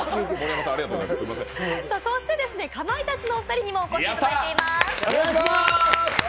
そしてかまいたちのお二人にもお越しいただいています。